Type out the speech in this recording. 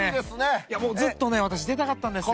もうずっとね私出たかったんですよ。